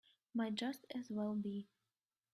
Might just as well be.